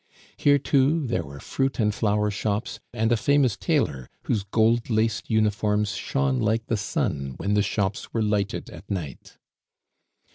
Here, too, there were fruit and flower shops, and a famous tailor whose gold laced uniforms shone like the sun when the shops were lighted at night.